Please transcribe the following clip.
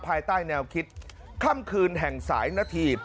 ภายใต้แนวคิดค่ำคืนแห่งสายนาที